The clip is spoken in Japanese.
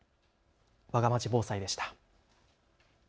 わがまち防災でした。